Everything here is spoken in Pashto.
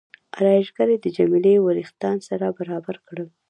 ارایشګرې د جميله وریښتان سره برابر کړل.